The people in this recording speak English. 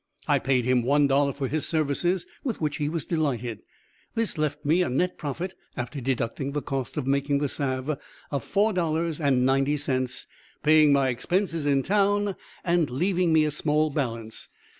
I paid him one dollar for his services, with which he was delighted. This left me a net profit, after deducting the cost of making the salve, of $4.90, paying my expenses in town and leaving me a small balance.